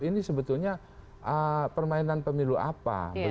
ini sebetulnya permainan pemilu apa